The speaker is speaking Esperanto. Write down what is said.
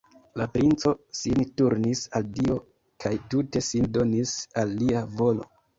La princo sin turnis al Dio kaj tute sin donis al Lia volo.